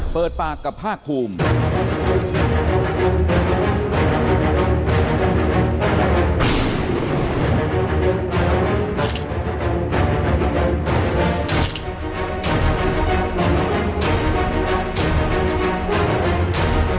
เปิดปากกับภาคภูมิ